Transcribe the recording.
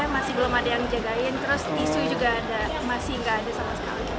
masih tidak ada sama sekali